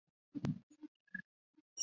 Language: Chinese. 团山并殖吸虫为并殖科并殖属的动物。